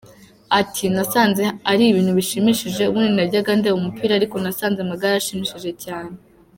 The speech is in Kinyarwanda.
Ati “Nasanze ari ibintu bishimishije, ubundi najyaga ndeba umupira ariko nasanze amagare ashimishije cyane.